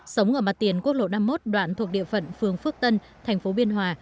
sống ở mặt tiền quốc lộ năm mươi một đoạn thuộc địa phận phường phước tân thành phố biên hòa